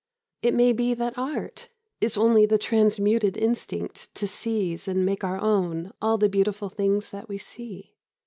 It may be that art is only the transmuted instinct to seize and make our own all the beautiful things we see.